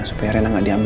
supaya rena gak diambil